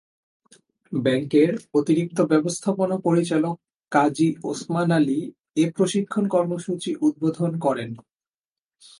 ব্যাংকের অতিরিক্ত ব্যবস্থাপনা পরিচালক কাজী ওসমান আলী এ প্রশিক্ষণ কর্মসূচি উদ্বোধন করেন।